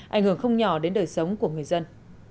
ảnh hưởng không nhỏ đến đời sống của người dân